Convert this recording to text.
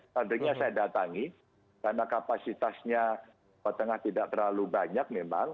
pabriknya saya datang karena kapasitasnya petengah tidak terlalu banyak memang